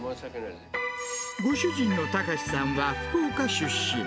ご主人の孝さんは福岡県出身。